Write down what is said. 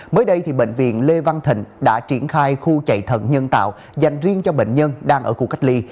mới đây bệnh viện lê văn thịnh đã triển khai khu chạy thận nhân tạo dành riêng cho bệnh nhân đang ở khu cách ly